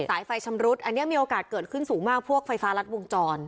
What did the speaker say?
สายไฟชำรุดอันนี้มีโอกาสเกิดขึ้นสูงมากพวกไฟฟ้ารัดวงจร